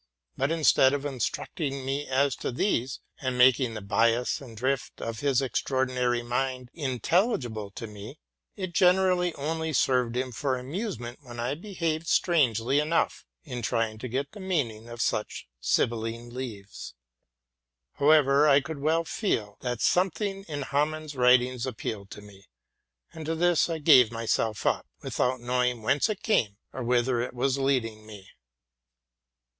But instead of instructing me as to these, and making the bias and drift of his extraordinary mind intelligible to me, it generally only served him for amusement when I behaved strangely enough in trying to get at the meaning of such sibyl line leaves. However, T could well feel that something in Hamann's writings appealed to me ; and to this I gave myself up, without knowi ing whence it came or whither it was leading me.